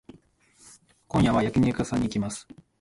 今夜は焼肉屋さんに行きます。